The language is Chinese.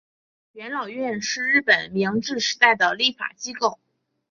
元老院是日本明治时代的立法机构。